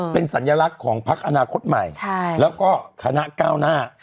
เป็นสัญลักษณ์ของพักอนาคตใหม่แล้วก็คณะก้าวหน้า